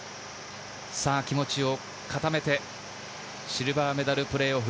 気持ちを固めて、シルバーメダルプレーオフ。